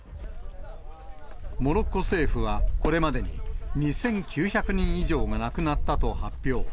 モロッコ政府はこれまでに２９００人以上が亡くなったと発表。